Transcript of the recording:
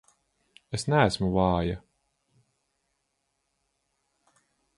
Es neesmu vāja!